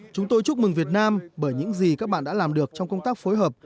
chúng tôi chúc mừng việt nam bởi những gì các bạn đã làm được trong công tác phối hợp